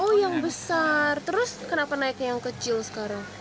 oh yang besar terus kenapa naiknya yang kecil sekarang